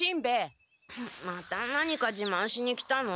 また何か自まんしに来たの？